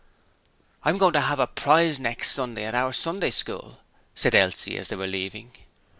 'I'm going to 'ave a prize next Sunday at our Sunday School,' said Elsie as they were leaving.